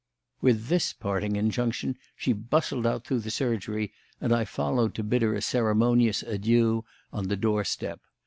With this parting injunction she bustled out through the surgery, and I followed to bid her a ceremonious adieu on the doorstep.